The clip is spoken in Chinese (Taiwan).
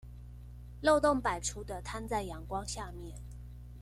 漏洞百出的攤在陽光下面